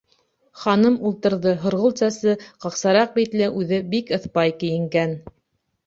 Ханым ултырҙы, һорғолт сәсле, ҡаҡсараҡ битле, үҙе бик ыҫпай кейенгән.